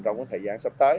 trong thời gian sắp tới